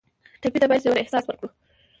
ټپي ته باید ژور احساس ورکړو.